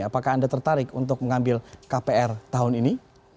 apakah anda tertarik untuk mengambil kpr tahun ini